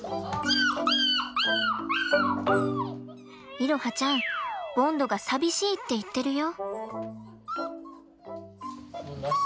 彩羽ちゃんボンドが寂しいって言ってるよ。